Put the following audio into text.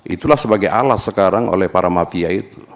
itulah sebagai alas sekarang oleh para mafia itu